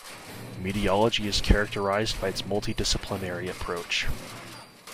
Mediology is characterized by its multi-disciplinary approach.